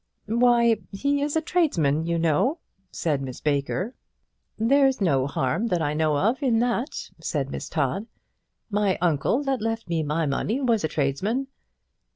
"Why, he is a tradesman, you know," said Miss Baker. "There's no harm that I know of in that," said Miss Todd. "My uncle that left me my money was a tradesman."